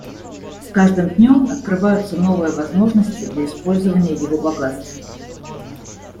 С каждым днем открываются новые возможности для использования его богатств.